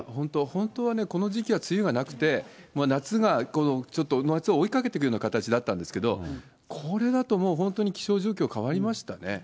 本当はね、この時期は梅雨がなくて、夏が、夏を追いかけていくような形だったんですけど、これだともう本当に気象状況変わりましたね。